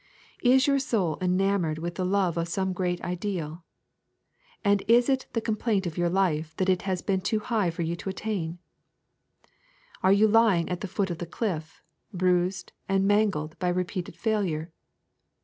Is your soul enamoured with the lovo of sonid great ideal! And is it the complaint of your life that it has been too high for you to attain 1 Are you lying at the foot of the cUff, bruised and mangled by repeated failure